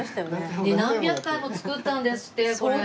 何百回も作ったんですってこれ。